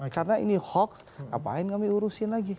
karena ini hoax ngapain kami urusin lagi